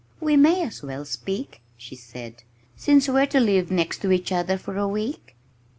"We may as well speak," she said, "since we're to live next to each other for a week."